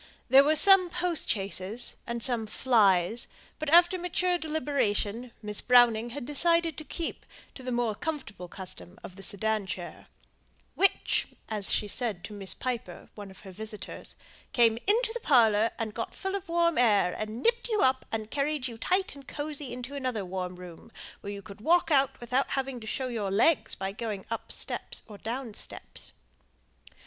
There were some postchaises, and some "flys," but after mature deliberation Miss Browning had decided to keep to the more comfortable custom of the sedan chair; "which," as she said to Miss Piper, one of her visitors, "came into the parlour, and got full of the warm air, and nipped you up, and carried you tight and cosy into another warm room, where you could walk out without having to show your legs by going up steps, or down steps."